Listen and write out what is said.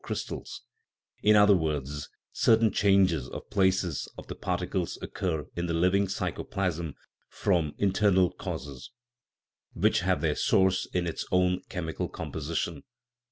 crystals) ; in other words, certain changes of place of the particles occur in the living psychoplasm from internal causes, which have their source in its own chemical composition.